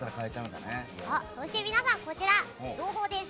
そして、皆さん朗報です。